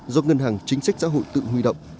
do ngân hàng chính sách xã hội tự huy động